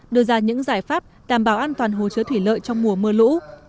đưa ra những giải pháp đảm bảo an toàn hồ chứa thủy lợi trong mùa mưa lũ